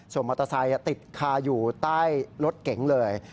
ส่วนมอเตอร์ไซค์ติดคาอยู่ใต้รถเก๋งเลย